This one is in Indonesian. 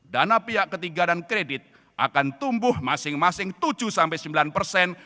dana pihak ketiga dan kredit akan tumbuh masing masing tujuh sembilan persen